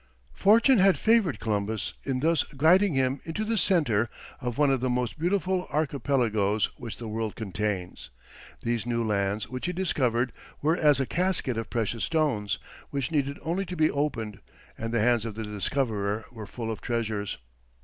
Fortune had favoured Columbus in thus guiding him into the centre of one of the most beautiful archipelagos which the world contains. These new lands which he discovered were as a casket of precious stones, which needed only to be opened, and the hands of the discoverer were full of treasures.